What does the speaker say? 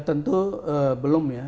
tentu belum ya